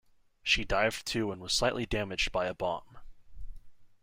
She dived to and was slightly damaged by a bomb.